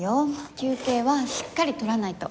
休憩はしっかり取らないと。